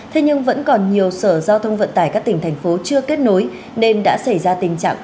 thế nhưng vẫn còn nhiều sở giao thông vận tải các tỉnh thành phố chưa kết nối nên đã xảy ra tình trạng